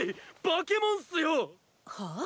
バケモンすよ！はあ？